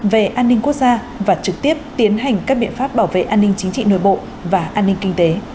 về an ninh quốc gia và trực tiếp tiến hành các biện pháp bảo vệ an ninh chính trị nội bộ và an ninh kinh tế